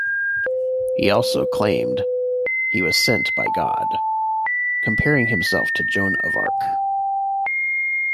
He also claimed he was sent by God, comparing himself to Joan of Arc.